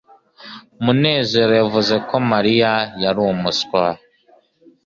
munezero yavuze ko mariya yari umuswa